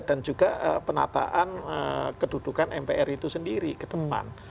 dan juga penataan kedudukan mpr itu sendiri ke depan